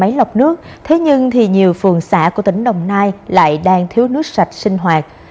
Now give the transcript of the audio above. máy lọc nước thế nhưng thì nhiều phường xã của tỉnh đồng nai lại đang thiếu nước sạch sinh hoạt